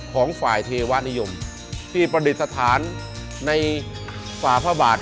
ของฝ่ายเทวนิยมที่ประเด็นสถานในฝาพบาท